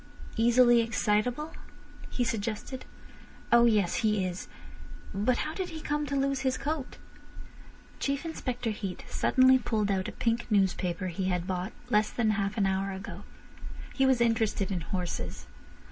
"Easily excitable?" he suggested. "Oh yes. He is. But how did he come to lose his coat—" Chief Inspector Heat suddenly pulled out a pink newspaper he had bought less than half an hour ago. He was interested in horses.